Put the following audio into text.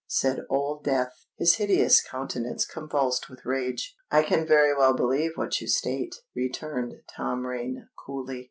said Old Death, his hideous countenance convulsed with rage. "I can very well believe what you state," returned Tom Rain coolly.